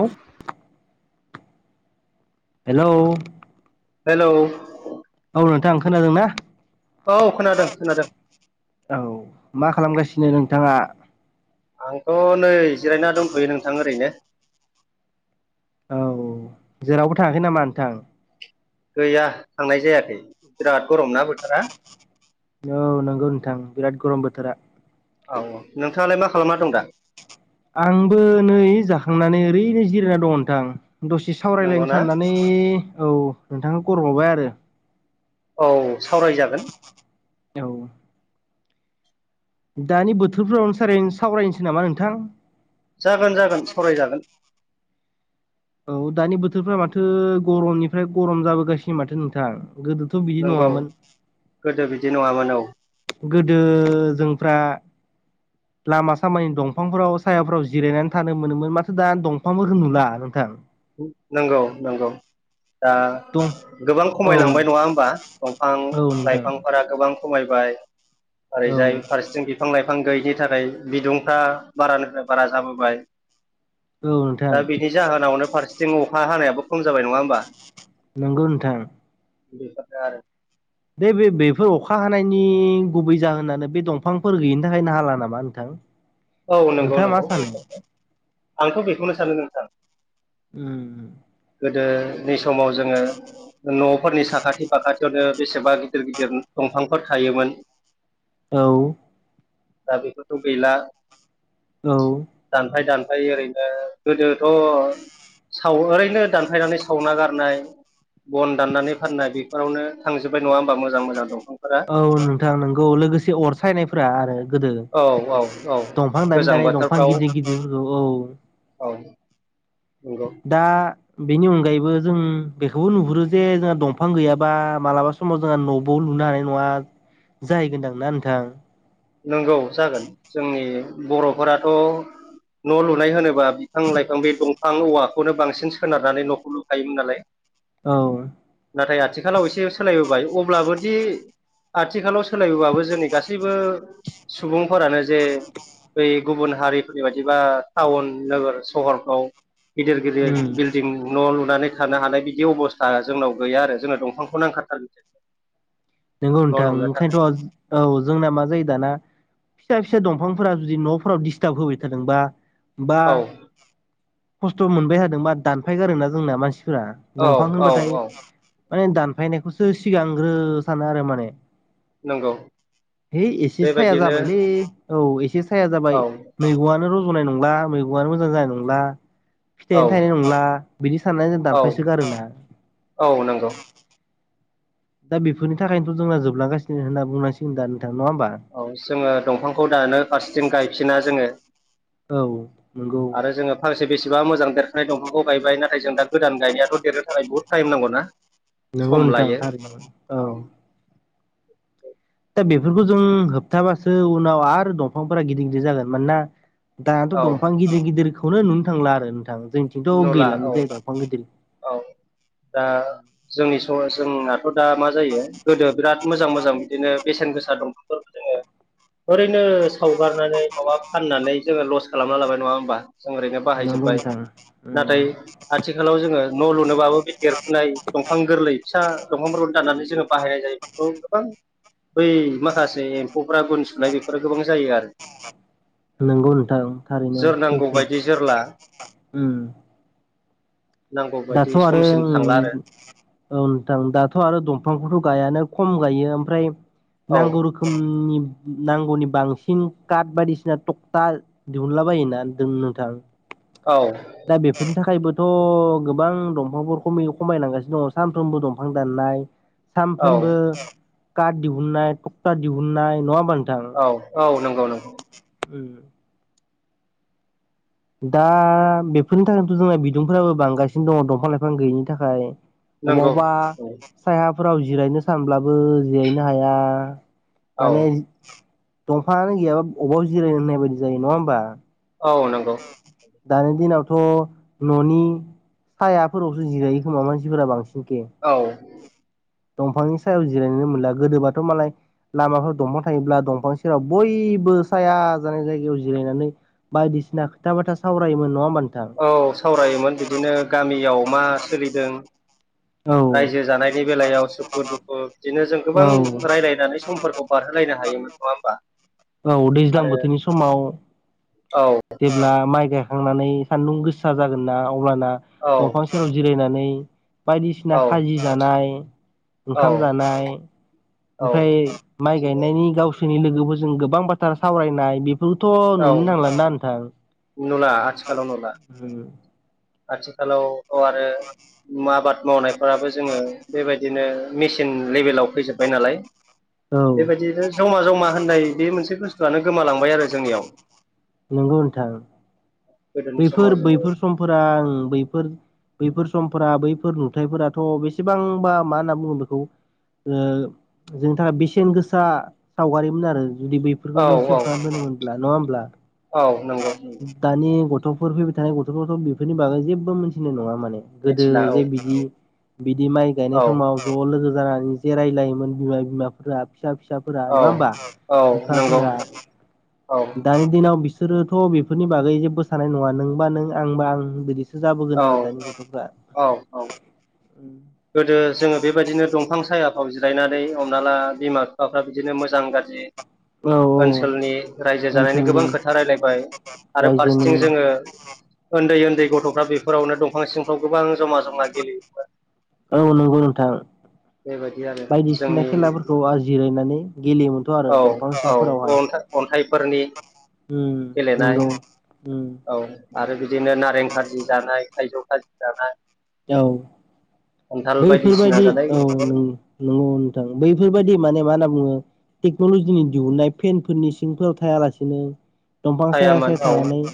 औ hello. Hello. अ नोंथां खोनादों ना? औ खोनादों खोनादों औ मा खालामगासिनो नोंथाङा? आंथ' नै जिरायना दंथ'यो नोंथां ओरैनो । औ जेरावबो थाङाखै नामा नोंथां? गैया थांनाय जायाखै बिराद गरमनाा बोथोरा । औ नंगौ नोंथां बिराद गरम बोथोरा । औ औ नोंथाङालाय मा खालामना दं दा? आंबो नै जाखांनानै ओरैनो जिरायना दङ नोंथां । दसे सावरायलायनो नंगौना साननानै औ नोंथांखौ खरबावबाय आरो ‌। औ सावरायजागोन । औ दानि बोथोरफोरावनो सार सावरायनोसै नामा नोंथां? जागोन जागोन सरायजागोन । औ दानि बोथोरफ्रा माथो गरमनिफ्राय गरम जाबोगासिनो माथो नोंथां । गोदोथ' बिदि नंगौ नङामोन । गोदो बिदि नङामोन औ गोदो जोंफ्रा लामा सामानि दंफांफोराव सायाफ्राव जिरायनानै थानो मोनोमोन माथो दा दंफांफोर होनुला नोंथां । नंगौ नंगौ। दा दं गोबां औ खमायलांबाय नङा होमबा दंफां औ नोंथां लाइफांफोरा गोबां खमाय औ ओरैजाय फारसेथिं बिफां लानाय बिफां गैयिनि थाखाय बिदुंफ्रा बारानिफ्राय बारा जाबोबाय औ नोंथां दा बिनि जाहोनावनो फारि अहा हानायाबो खम जाबाय नङा होमबा? नंगौ नोंथां। बिफ आरो । बे बे बेफोर अखा हानायनि गुबै जाहोनानो बे दंफांफोर गैयिनि थाखायनो हाला नामा नोंथां? औ नंगौ नोंथाङा मा नंगौ सानो बेनो आंथ' बेखौनो सानो नोंथां । उ गोदोनि समाव जोङो न'फोरनि साखाथि फाखाथियावनो बेसेबा गिदिर गिदिर दंफांफोर थायोमोन औ दा बेफोरखौ गैला औ दानफाय दानफ ओमफ्राय ओरैनो गोदोथ' साव ओरैनो दानफायनानै सावना गारनाय बन दाननानै फाननाय बेफोरावनो थांजोब्बाय नङा मोजां मोजां दंफांफोरा औ नोंथां नंगौ लोगोसे अर सायनायफोरा आरो गो औ औ औ दंफां दानै गोजां दानाय दंफां बोथोरफ्राव गिदिर गिदिर औ । औ नंगौ दा बेनि अनगायैबो जों बेखौबो नुहुरो जे जोंहा दंफां गैयाबा मालाबा समाव जोंहा न'बो दु लुनो हानाय नङा जाहैगोनदांनाा नोंथां? नंगौ जागोन जोंनि बर'फोराथ' न' लुनाय होनोबा बिफां लाइफां बे दंफां औवाखौनो बांसिन सोनारनानै न'खौ लुखायोमोन नालाय औ नाथाय आथिखालाव एसे सोलायबोबाय अब्लाबोदि आथिखालाव सोलायबाबो जोंनि गासैबो सुबुंफोरानो जे बै गुबुन हारिफोरनि बायदिबा टाउन नोगोर सहरफ्राव गिदिर गिदिर उम बिल्डिं न लुनानै थानो हानाय बिदि अबस्था जोंनाव गैया आरो जोंनो दंफांखौ नांखाथारगौ। नोंगौ न' नोंथां लुनो थाखाय ओंखायनोथ' औ जोंना मा जायो दाना फिसा फिसा दंफांफोरा जुदि न'फोराव दिस्टार्ब होबाय थादोंबा बा औ खस्थ' मोनबाय थादोंबा दानफाय गारो ना जोंना मानसिफोरा औ दंफां औ होनबाथाय औ माने दानफायनायखौसो सिगांग्रो सानो आरो माने नंगौ है एसे साया बेबायदिनो जाबायलै औ एसे साया जाबाय औ मैगंआनो रजनाय नंला मैगङानो मोजां जानाय नंला औ फिथायाइनो थायनाय नंला बिनि साननानै जों औ दानफायसो गारो ना औ नंगौ दा बेफोरनि थाखायनोथ' जोंना जोबलांगासिनो होनना बुंनांसिगोन दा नोंथां नङा होमबा औ जोङो दंफांखौ दानो फारसेथिं गायफिना जोङो औ नंगौ आरो जोङो फांसे बेसेबा मोजां देर बे दंफांखौ गायबाय नाथाय जों दादान गायनायाथ' देरनो थाखाय बुहुद टाइम नांगौ ना। नोंगौ नोंथां थारैनो औ दा बेफोरखौ जों होबथाबासो उनाव आरो दंफांफोरा गिदिर गिदिर जागोन मानोना दानाथ' औ दंफां गिदिर गिदिरखौनो नुनो थांला आरो नोंथां। जोंथिंथ' नुला औ गैलानो जाय दंफां गदिर औ दा जोंनि स जोंनाथ' दा मा जायो गोदो बिराद मोजां मोजां बिदिनो बेसेन गोसा दं जोङो ओरैनो सावगारनानै माबा फाननानै जोङो लस खालामना लाबाय नङा होमबा जों ओरैनो नंगौ बाहायजोबबाय नोंथां उम नाथाय आथिखालाव जोङो न' लुनोबाबो बे देरफुनाय दंफां गोरलै फिसा दंफांफोरखौ दानानै जों बाहायनाय जायो बै माखसे फुरा गुन सुनाय बेफोरो गोबां जायो आरो। नंगौ नोंथां थारैनो जोरनांगौ सैथो बायदि जोरला नांगौ बायदि दाथ' आरो औ समसिम थांला आरो नोंथां दाथ' आरो दंफांखौथ' गायानो खम गायो ओमफ्राय औ नांगौ रोखोमनि नांगौनि बांसिन काट बायदिसिना थकथा दिहुनला बायोना नोंथां। औ दा बेफोरनि थाखायबोथ' गोबां दंफांफोरखौम खमायनांगासिनो दङ सानफ्रोमबो दंफां दाननाय औ सानफ्रोमबो कार्ड दिहुननाय टक्टर दिहुननाय नङाबानोसि औ औ नंगौ नंगौ उम दा बेफोरनि थाखायनोथ' जोंना बिदुंफोराबो बांगासिनो दङ दंफां लाइफां गैयिनि थाखाय नंगौ अबावबा सायााफोराव जिरायनो सानब्लाबो जिरायनो हाया औ माने दंफाङानो गैयाबा अबाव जिरायनो होननाय बायदि जायो नङा होमबा औ नंगौ दानि दिनावथ' न'नि सायाफोरावसो जिरायो खोमा मानसिफोरा बांसिन औ दंफांनि सायाव जिरायनोनो मोनला गोदोबाथ' मालाय लामाफोराव दंफां थायोब्ला दंफांनि सेरायाव बयबो साया जानाय जायगायाव जिरायनानै बायदिसिना खोथा बाथा सावरायोमोन नङा होमबा नोंथां औ सावरायोमोन बिदिनो गामियाव मा सोलिदों [inaudible] रायजो जानायनि बेलायाव सुखु दुखु बिदिनो जों गोबां औ रायज्लायनानै समफोरखौ बारहोलायनो हायोमोन नङा होमबा औ दैज्लां आरो बोथोरनि समाव औ जेब्ला माइ गायखांनानै सान्दुं गोसा जागोन ना अब्लाना दंफां सेराव जिरायनानै औ बायदिसिना खाजि जानाय औ ओंखाम जानाय औ ओमफ्राय माइ गायनायनि गावसोरनि लोगोफोरजों गोबां बाथ्रा सावरायनाय बे बेथ' औ नुनो थांलाना नोंथां नुला आथिखालाव नुला आथिखालाव आरो आबाद मावनायफोराबो जोङो बेबायदिनो मेसिन लेभेलाव फैजोब्बाय नालाय औ बेबायदिनो जमा-जमा होननाय बे मोनसे बु स्थुआनो गोमालांबाय आरो जोंनियाव नंगौ नोंथां गोदोनि समाव जोङो बैफोर-बैफोर समफोरा आं बैफोर बैफोर समफोरा बैफोर नुथायफोराथ' बेसेबांबा मा होनना बुङो बेखौ ओ जोंनि थाखाय बेसेन गोसा सावगारिमोन आरो जुदि औ बैफोरखौ जों सेभ खालामना दोंनोमोनब्ला नङा होमब्ला औ दानि गथ'फोर फैबाय थानाय गथ'फोरखौथ' बेफोरनि बागै जेबो मोनथिनाय नङा माने गोदो मिथिला औ जे बिदि औ बिदि माइ गायनाय समाव औ ज' लोगो जानानै जे रायजलायोमोन बिमा- बिमाफोरा फिसा फिसाफोरा औ नङा होनबा औ-औ औ नंगौ बिफाफोरा औ दानि दिनाव बिसोरोथ' बेफोरनि बागै जेबो सानाय नङा नोंबा नों आंबा आं बिदिसो जाबोगोन आरो औ दानि गथ'फ्रा औ गोदो जोङो बेबायदिनो दंफां साया फोराव जिरायनानै हमना ला बिमा-बिफाफ्रा बिदिनो मोजां-गाज्रि औ ओनसोलनि रायजो जानायनि ओनसोलनि गोबां खोथा रायलायबाय आरो रायजोनि फारसेथिं जोङो उन्दै उन्दै गथ'फ्रा बेफोरावनो दंफां सिंफ्राव गोबां जमा-जमा गेलेयोमोन औ नंगौ नोंथां बेबायदि आरो बायदिसिना जोंनि खेलाफोरखौ आ जिरायनानै गेलेयोमोनथ' आरो औ दंफां औ-औ सिफांफोरावहाय औ अन्थाइफोरनि गेलेनाय नंगौ उम औ आरो बिदिनो नारें खारजि जानाय थाइजौ खाजि जानाय औ खान्थाल बायदिसिना बैफोरबायदि जानाय औ नंगौ नोंथां बैफोरबायदि माने मा होनना बुङो टेक्न'लजिनि दिहुननाय फेनफोरनि सिंफोराव थायालासिनो दंफां साया-साया औ थानानै औ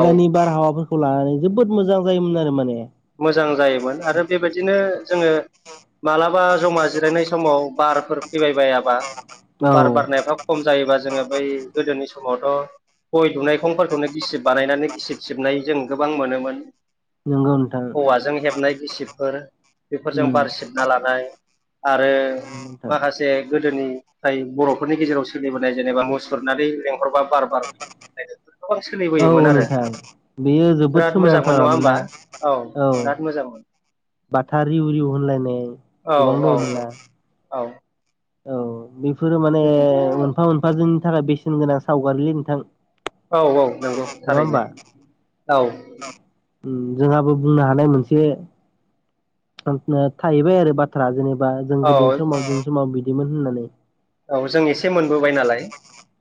औ बारहावाफोर खौ लानानै जोबोद मोजां जायोमोन आरो माने मोजां जायोमोन आरो बेबायदिनो जोङो मालाबा जमा जिरायनाय समाव बारफोर फैबाय बायाबा औ बार बारनायफ्रा खम जायोबा जोङो बै गोदोनि समावथ' गय दुनायखंफोरखौनो गिसिब बानायनानै गिसिब सिबनाय जों गोबां मोनोमोन नंगौनो औवाजों हेबनाय गिसिबफोर बेफोरजों उम बार सिबना लानाय आरो नोंथां माखासे गोदोनि जाय बर'फोरनि गेजेराव सोलिबोनाय जेनेबा मुसुरनानै लेंहरबा बार बार नाय गोबां औ सोलिबोयोमोन आरो नोंथां बेयो जोबोद बिराद मोजांमोन नङा सोमोनांथावामोन होमबा। ना औ बिराद मोजांमोन‌। बाथा रिउ रिउ होनलायनाय गोबां दङमोना औ औ औ औ बेफोरो माने बेखौथ' मोनफा मोनफा जोंनि थाखाय बेसेन गोनां सावगारिलै नोंथां। औ औ नंगौ नङा थारैनो होमबा औ उम जोंहाबो बुंनो हानाय मोनसे ओम थाहैबाय आरो बाथ्रा जेनेबा जों गोदोनि औ समाव गोदनि समाव बिदिमोन होननानै औ जों एसे मोनबोबाय नालाय।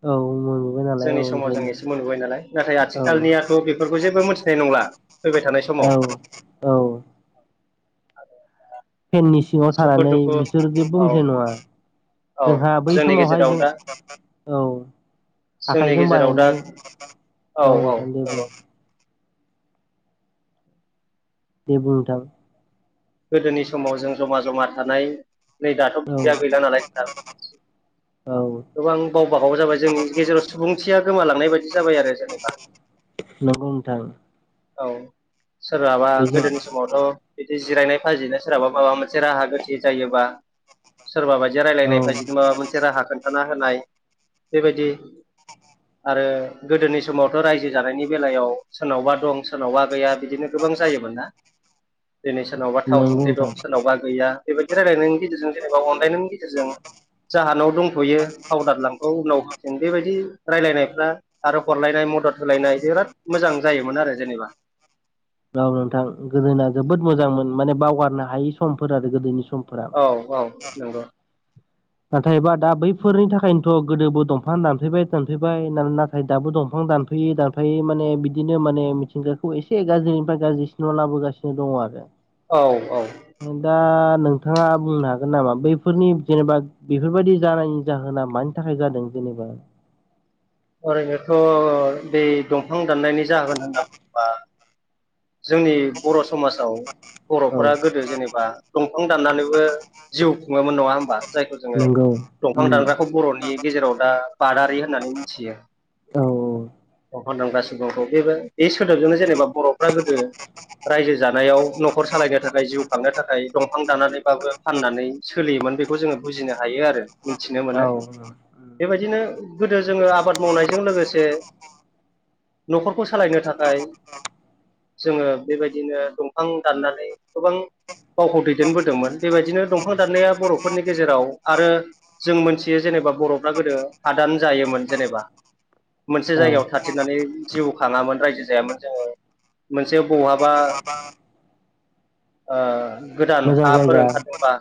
औ मोनबोबाय नालाय औ जोंनि समाव जों ओंखायनो एसे मोनबोबाय नालाय नाथाय औ आथिखालनियाथ' बेफोरखौ जेबो मोनथिनाय नंला। फैबाय थानाय औ समाव औ [unintelligible] फेननि सिङाव सुखु थानानै दुखु बिसोर जेबो औ मोनथिनाय नङा। औ जोंहा बै जोंनि समावहाय गेजेराव जों दा औ जोंनि आखाइजों गेजेराव दा बानायनाय औ औ नोंथां दे बुं‌ नंगौ दे बुं नोंथां। गोदोनि समाव जों ज'मा ज'मा थानाय नै दाथ' औ बिदिया गैला नालाय सार। औ गोबां गावबागाव जाबाय जोंनि गेजेराव सुबुंथिया गोमालांनाय बायदि जाबाय आरो जेनेबा। नंगौ नोंथां। औ सोरबाबा बेजों गोदोनि समावथ' जिरायनाय बाजिनो सोरहाबा माबा मोनसे राहा गोथे जायोबा सोरबा बायदि औ रायलायनाय बाजिनो माबा मोनसे राहा खोन्थाना होनाय बेबायदि आरो गोदोनि समावथ' रायजो जानायनि बेलायाव सोरनावबा दं सोरनावबा गैया बिदिनो गोबां जायोमोन ना‌ दिनै सोरनावबा थाव नंगौ सुंख्रि दं नोंथां सोरनावबा गैया बेबायदि रायजलायनायनि गेजेरजों जेनेबा अनलायनायनि गेजेरजों जाहानाव दंथ'यो हावलाद लांथ' उनाव जों बेबायदि रायलायनायफ्रा आरो हरलायनाय मदद होलायनाय बिराद मोजां जायोमोन आरो जेनेबा औ नोंथां गोदोना जोबोद मोजांमोन माने बावगारनो हायि समफोर आरो गोदोनि सम औ औ नंगौ नाथायबा दा बैफोरनि थाखायनोथ' गोदोबो दंफां दानफायबाय दानफायबाय नाथाय दाबो दंफां दानफायै दानफायै माने बिदिनो माने मिथिंगाखौ एसे गाज्रिनिफ्राय गाज्रिसिनआव लाबोगासिनो दङ आरो औ औ दा नोंथाङा बुंनो हागोन नामा बैफोरनि जेनेबा बेफोरबायदि जानायनि जाहोना मानि थाखाय जादों जेनेबा ओरैनोथ' बे दंफां दाननायनि जाहोन होनना बुंबा। जोंनि बर' समाजाव औ बर'फोरा गोदो जेनेबा दंफां दाननानैबो जिउ खुङोमोन नङा होमबा जायखौ जोङो नंगौ दंफां उम दानग्राखौ बर'नि गेजेराव दा बादारि होननानै मिथियो औ दंफां दानग्रा सुबुंखौ बेबो बे सोदोबजोंनो जेनेबा बर' फ्रा गोदो रायजो जानायाव न'खर सालायनो थाखाय जिउ खांनो थाखाय दं फां दानानैबाबो फाननानै सोलियोमोन बेखौ जोङो बुजिनो हायो आरो मिथिनो मोनो औ औ बेबायदिनो गोदो जोङो आबाद मावनायजों लोगोसे न'खरखौ सालायनो थाखाय जोङो बेबायदिनो दंफां दाननानै गोबां गावखौ दैदेनबोदोंमोन बेबायदिनो दंफां दाननाया बर'फोरनि गेजेराव आरो जों मोनथियो जेने बा बर'फ्रा गोदो हादान जायोमोन जेनेबा। मोनसे औ जायगायाव थाथिनानै जिउ खाङामोन रायजो जायामोन जोङो। मोनसे बहाबा ओ गोदान मोजां हाफोर जायगा ओंखारदोंबा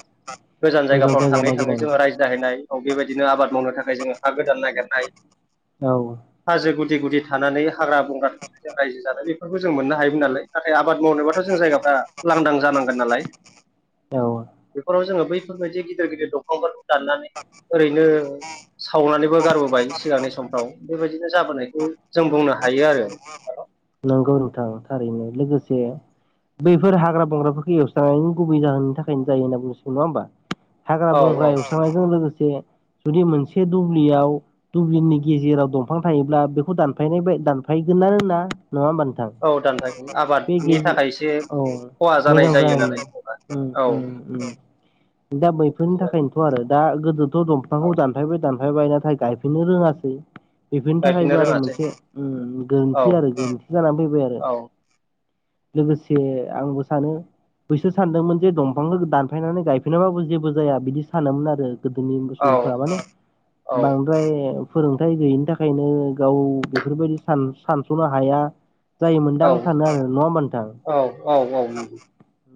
गोजान मोजां जायगाफ्राव जायगा थाङै थाङै नागिरनानै जोङो रायज्लाहैनाय। औ बेबायदिनो आबाद मावनो थाखाय जोङो हा गोदान नागिरनाय। औ। हाजो गुदि गुदि थानानै हाग्रा बंग्रा थानायजों रायजो जानाय ब बेफोरखौ जों मोननो हायोमोन नालाय नाथाय आबाद मावनोबाथ' जों जायगाफ्रा लांदां जानांगोन नालाय। औ बेफोराव जोङो बैफोरबायदि गिदिर गिदिर दफांफोरखौ दाननानै ओरैनो सावनानैबो गारबोबाय सिगांनि समफ्राव बेबायदिनो जाबोनायखौ जों बुंनो हायो आरो। नंगौ नोंथां थारैनो लोगोसे। बैफोर हाग्रा बंग्राफोरखौ एवस्रांनायनि गुबै जाहोननि थाखायनो जायो होनना बुंनांसिगोन नङा होनबा। हाग्रा औ बंग्रा औ एवस्रांनायजों लोगोसे जुदि मोनसे दुब्लियाव दुब्लिनि गेजेराव दंफां थायोब्ला बेखौ दानफायनाय दानफायगोन सो नांगोनना नङा होमबा नोंथां औ दानफायखौ बे आबादनि गेजेर थाखाय एसे औ खहा जानाय मोजां जायो जानो। नालाय जेनेबा उम औ उम। दा मैफोरनि बेबायदिनो थाखायनोथ' आरो दा गोदोथ' दंफांखौ औ दानफायबाय दान फायबायाय नथाय गायफिननो रोङासै। बेफोरनि गायफिननो थाखायबो आरो रोङासै मोनसे औ गोरोन्थि आरो गोरोन्थि जानानै फैबाय आरो औ लोगोसे आंबो सानो। बैसोर सानदोंमोन जे दंफांखौ दानफायनानै गायफेरनायाबाबो जेबो जाया बिदि सानोमोन आरो गोदोनि औ सुबुंफोरा माने औ बांद्राय फोरोंथायाइ गैयिनि थाखायनो गाव बेफोरबायदि सानस'नो हाया। जायोमोनदां औ आं सानो आरो नङा होमबा नोंथां। औ औ औ नंगौ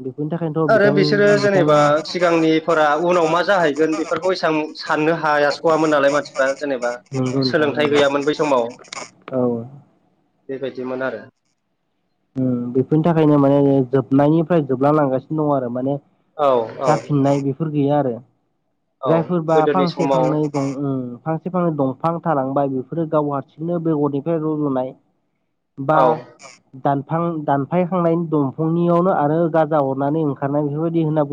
बेफोरनि थाखायनोथ' आरो बिथां बिसोरो बिथां जेनेबा सिगांनिफोरा उनाव मा जाहैगोन बेफोरखौ एसेबां साननो हा स'वआोन नालाय मानसिफ जेनेबा बुंनो सोलोंथाइ गैयामोन बै समाव थाङो औ। बेबायदिमोन आरो। बेफोरनि थाखायनो माने जोबनायनिफ्राय जोबला लांगासिनो दङ आरो माने औ औ जाफिननाय बेफोर गैया आरो औ जायफोरबा गोदोनि फांसे समाव फांनैं फांसे फांनै दंफां थालांबाय बेफोर फोर गाव हारसिंनो बेगरनिफ्राय रुजुनाय बा औ दानफां दानफायखांनायनि दंफांनियावनो आरो गाजा अरनानै ओंखारनाय बेफोरबायदि होनना बु